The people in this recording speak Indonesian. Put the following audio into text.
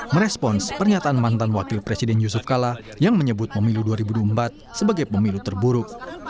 merespons pernyataan mantan wakil presiden yusuf kala yang menyebut pemilu dua ribu dua puluh empat sebagai pemilu terburuk